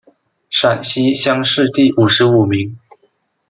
陕西乡试第五十五名。